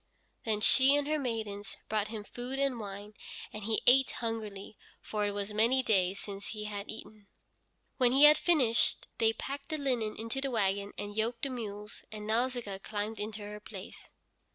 Then she and her maidens brought him food and wine, and he ate hungrily, for it was many days since he had eaten. When he had finished, they packed the linen into the wagon, and yoked the mules, and Nausicaa climbed into her place.